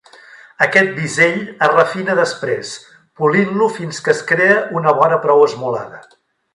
Aquest bisell es refina després polint-lo fins que es crea una vora prou esmolada.